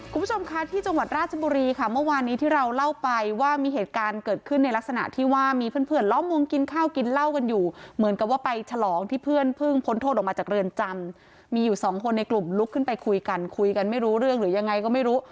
คุณผู้ชมคะที่จังหวัดราชบุรีค่ะเมื่อวานนี้ที่เราเล่าไปว่ามีเหตุการณ์เกิดขึ้นในลักษณะที่ว่ามีเพื่อนเพื่อนล้อมวงกินข้าวกินเหล้ากันอยู่เหมือนกับว่าไปฉลองที่เพื่อนเพิ่งพ้นโทษออกมาจากเรือนจำมีอยู่สองคนในกลุ่มลุกขึ้นไปคุยกันคุยกันไม่รู้เรื่องหรือยังไงก็ไม่รู้